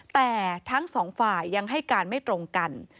แต่ทั้งสองฝ่ายยังให้การไม่ตรงกัน